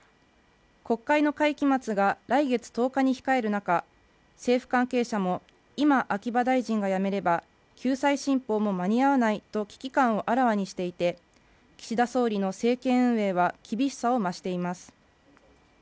国会の会期末が来月１０日に控える中政府関係者も今秋葉大臣が辞めれば救済新法も間に合わないと危機感をあらわにしていて岸田総理の政権運営は厳しさを増しています